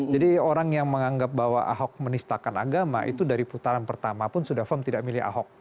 jadi orang yang menganggap bahwa ahok menistakan agama itu dari putaran pertama pun sudah firm tidak milih ahok